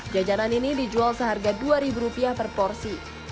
jajanan ini dijual seharga dua ribu rupiah per porsi